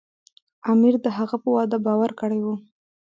امیر د هغه په وعده باور کړی و.